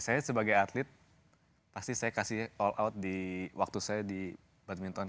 saya sebagai atlet pasti saya kasih all out di waktu saya di badminton